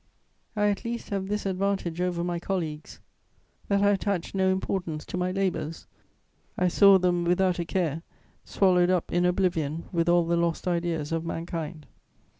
I at least have this advantage over my colleagues, that I attach no importance to my labours; I saw them, without a care, swallowed up in oblivion with all the lost ideas of mankind.